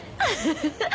ハハハ。